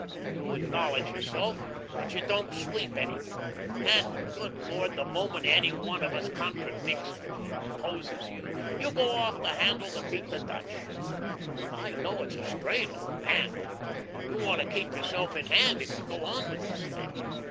You acknowledge yourself that you don't sleep any more. And, good Lord, the moment any one of us contradicts you, or opposes you, you go off the handle to beat the Dutch. I know it's a strain, old man, but you want to keep yourself in hand if you go on with this thing.